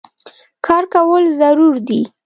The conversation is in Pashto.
کار کول ضرور دي